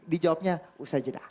di jawabnya usai jeda